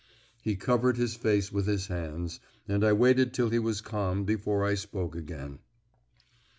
He covered his face with his hands, and I waited till he was calm before I spoke again.